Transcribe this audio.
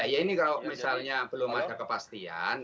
ya ini kalau misalnya belum ada kepastian